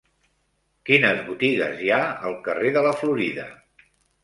Quines botigues hi ha al carrer de la Florida?